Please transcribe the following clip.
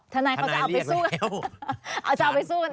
อ๋อทนายเขาจะเอาไปสู้กันเอง